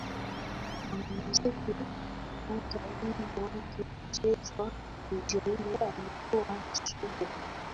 Mwanamuziki wa kwanza wimbo wake kuchezwa redioni alikuwa ni Sugu